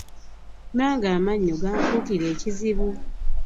Nange amannyo ganfuukira ekizibu.